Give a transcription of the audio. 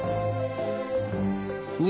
２